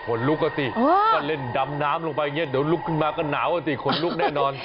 ลุกอ่ะสิก็เล่นดำน้ำลงไปอย่างนี้เดี๋ยวลุกขึ้นมาก็หนาวอ่ะสิขนลุกแน่นอน